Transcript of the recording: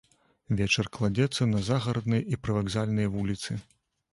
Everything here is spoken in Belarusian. Вечар кладзецца на загарадныя, прывакзальныя вуліцы.